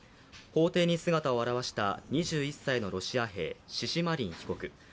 法廷に姿を現した２１歳のロシア兵、シシマリン被告。